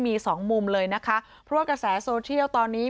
มีสองมุมเลยนะคะเพราะว่ากระแสโซเชียลตอนนี้